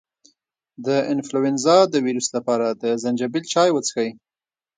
د انفلونزا د ویروس لپاره د زنجبیل چای وڅښئ